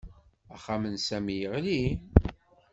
Axxam n Sami yeɣli